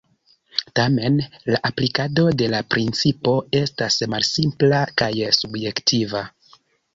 Tamen la aplikado de la principo estas malsimpla kaj subjektiva.